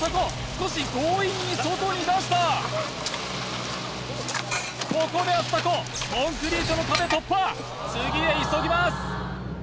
少し強引に外に出したここでアスタココンクリートの壁突破次へ急ぎます